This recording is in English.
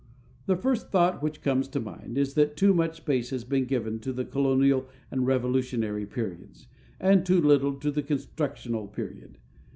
The first thought which comes to mind is that too much space has been given to the colonial and revolutionary periods, and too little to the constitutional period.